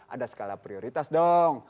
ada skala prioritas dong